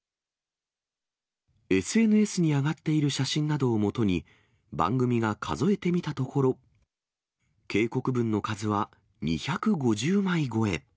ＳＮＳに上がっている写真などをもとに、番組が数えてみたところ、警告文の数は２５０枚超え。